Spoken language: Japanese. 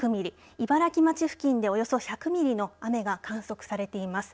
茨城町付近でおよそ１００ミリの雨が観測されています。